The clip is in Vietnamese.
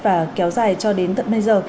và kéo dài cho đến tận bây giờ